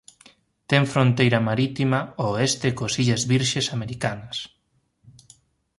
Ten fronteira marítima ao oeste coas Illas Virxes Americanas.